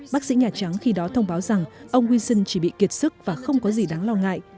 bác sĩ nhà trắng khi đó thông báo rằng ông wilson chỉ bị kiệt sức và không có gì đáng lo ngại